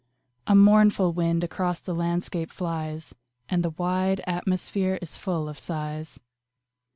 A mournful wind across the landscape flies, And the wide atmosphere is full of sighs.